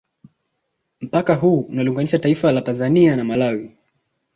Mpaka huu unaliunganisha taifa la Tanzania na Malawi